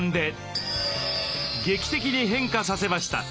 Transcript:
劇的に変化させました。